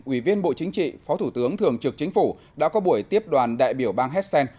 ủy viên bộ chính trị phó thủ tướng thường trực chính phủ đã có buổi tiếp đoàn đại biểu bang hessen